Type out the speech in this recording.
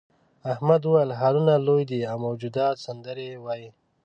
احمد وویل هالونه لوی دي او موجودات سندرې وايي.